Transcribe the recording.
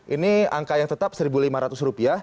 ini angka yang tetap rp satu lima ratus